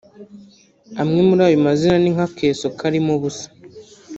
Amwe muri ayo mazina ni nka akeso karimo ubusa